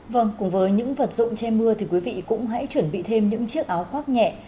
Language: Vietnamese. vâng cùng với những vật dụng che mưa thì quý vị cũng hãy chuẩn bị thêm những chiếc áo khoác nhẹ